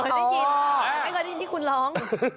อ๋อไอ้กระดิษฐ์ที่คุณร้อง